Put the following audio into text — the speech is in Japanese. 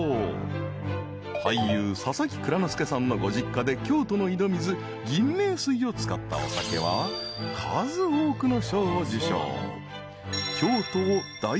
［俳優佐々木蔵之介さんのご実家で京都の井戸水銀明水を使ったお酒は数多くの賞を受賞］